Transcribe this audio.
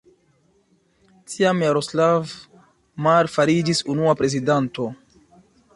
Tiam, Jaroslav Mar fariĝis unua prezidanto.